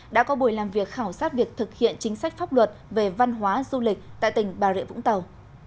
đã có buổi làm việc khảo sát việc thực hiện chính sách pháp luật về văn hóa du lịch tại tỉnh bà rịa vũng tàu